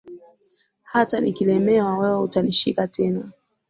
Hata nikilemewa, wewe utanishika tena.